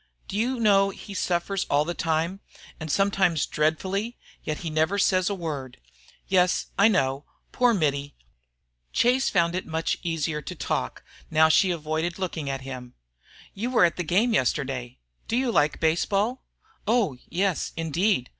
"Do you know he suffers all the time, and sometimes dreadfully, yet he never says a word?" "Yes, I know. Poor Mittie!" Chase found it much easier to talk, now she avoided looking at him. "You were at the game yesterday. Do you like baseball?" "Oh, yes, indeed.